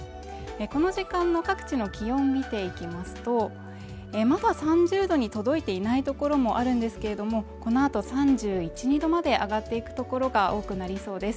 この時間の各地の気温見ていきますとまだ３０度に届いていないところもあるんですけれども、このあと３１、２度まで上がっていくところが多くなりそうです。